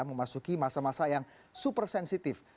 memasuki masa masa yang super sensitif